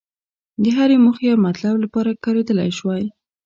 د هرې موخې او مطلب لپاره کارېدلای شوای.